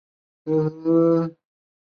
天佑十一年五月完工。